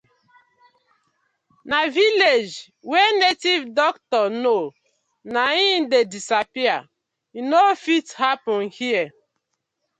Na village wey native doctor know e dey disappear, e no fit happen here.